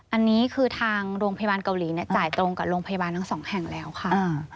อันนี้คือทางโรงพยาบาลเกาหลีเนี่ยจ่ายตรงกับโรงพยาบาลทั้งสองแห่งแล้วค่ะ